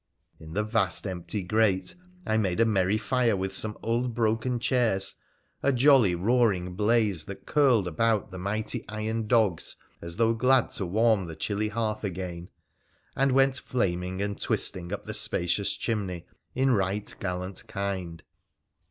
In the vast empty grate I made a merry fire with some old broken chairs, a jolly, roaring blaze that curled about the mighty 278 WONDERFUL ADVENTURES OF iron dogs as though glad to warm the chilly hearth again, and went flaming and twisting up the spacious chimney in right gallant kind.